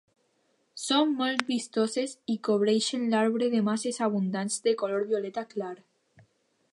Són molt vistoses i cobreixen l'arbre de masses abundants de color violeta clar.